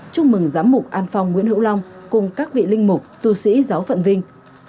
chúc mừng giám mục an phong nguyễn hữu long cùng các vị linh mục tu sĩ giáo phận vinh